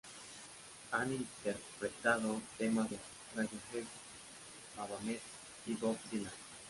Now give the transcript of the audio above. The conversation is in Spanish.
Han interpretado temas de Radiohead, Pavement y Bob Dylan.